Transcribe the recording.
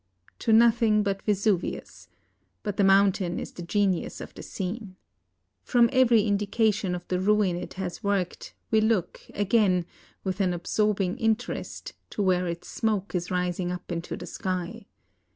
To nothing but Vesuvius: but the mountain is the genius of the scene. From every indication of the ruin it has worked, we look, again, with an absorbing interest, to ?v^here its smoke is rising up into the sky.